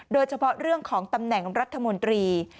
โดยเฉพาะเรื่องของตำแหน่งรัฐมนตรี